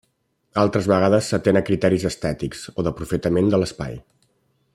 Altres vegades s'atén a criteris estètics o d'aprofitament de l'espai.